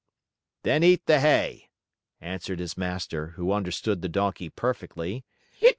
"Then eat the hay!" answered his master, who understood the Donkey perfectly.